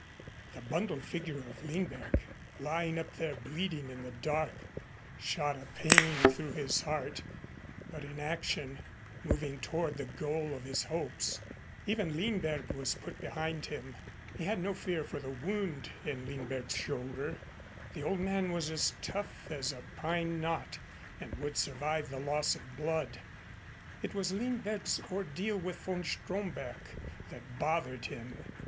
The bundled figure of Lindberg, lying up there bleeding in the dark, shot a pain through his heart, but in action, moving toward the goal of his hopes, even Lindberg was put behind him. He had no fear for the wound in Lindberg's shoulder. The old man was as tough as a pine knot and would survive the loss of blood. It was Lindberg's ordeal with von Stromberg that bothered him.